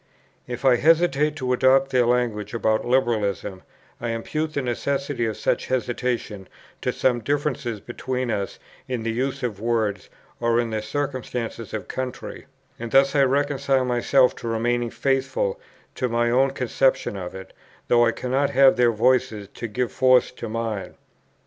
If I hesitate to adopt their language about Liberalism, I impute the necessity of such hesitation to some differences between us in the use of words or in the circumstances of country; and thus I reconcile myself to remaining faithful to my own conception of it, though I cannot have their voices to give force to mine.